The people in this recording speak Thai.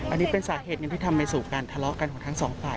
อันนี้เป็นสาเหตุหนึ่งที่ทำไปสู่การทะเลาะกันของทั้งสองฝ่าย